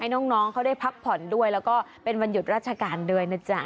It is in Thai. น้องเขาได้พักผ่อนด้วยแล้วก็เป็นวันหยุดราชการด้วยนะจ๊ะ